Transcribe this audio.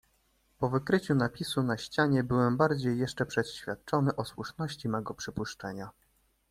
"Po wykryciu napisu na ścianie byłem bardziej jeszcze przeświadczony o słuszności mego przypuszczenia."